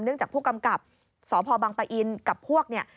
เนื่องจากผู้กำกับสภบังปะอินกับพวกนี้